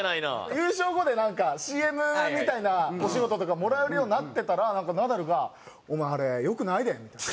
優勝後でなんかＣＭみたいなお仕事とかもらえるようになってからなんかナダルが「お前あれ良くないで」みたいな。